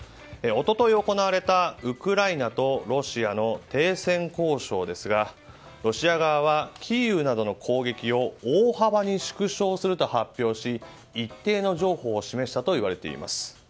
一昨日行われたウクライナとロシアの停戦交渉ですがロシア側は、キーウなどの攻撃を大幅に縮小すると発表し一定の譲歩を示したといわれています。